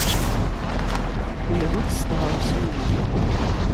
Lhu-d s tɣawsiwin.